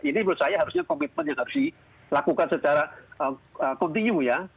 ini menurut saya harusnya komitmen yang harus dilakukan secara kontinu ya